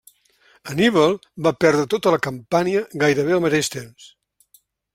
Hanníbal va perdre tota la Campània gairebé al mateix temps.